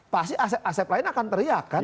pasti aset aset lain akan teriak kan